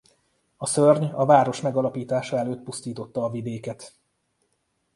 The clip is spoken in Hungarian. A szörny a város megalapítása előtt pusztította a vidéket.